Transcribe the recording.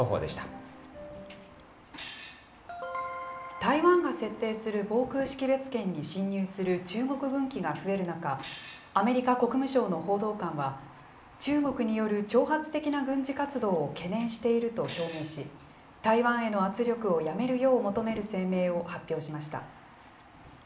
台湾が設定する防空識別圏に進入する中国軍機が増える中、アメリカ国務省の報道官は、中国による挑発的な軍事活動を懸念していると表明し、台湾への圧力をやめるよう求める声明を発表しました。